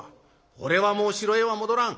俺はもう城へは戻らん。